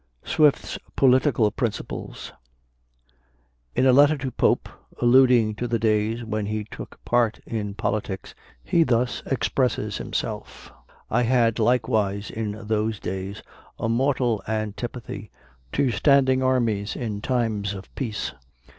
SWIFT'S POLITICAL PRINCIPLES. In a letter to Pope, alluding to the days when he took part in politics, he thus expresses himself: "I had likewise in those days a mortal antipathy to standing armies in times of peace.